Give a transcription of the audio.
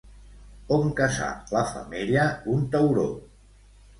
On caçà la femella un tauró?